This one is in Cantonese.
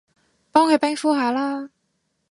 幫佢冰敷下啦